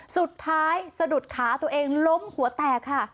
สุดท้ายสะดุดขาตัวเองล้มหัวแตกค่ะ